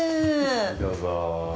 どうぞ。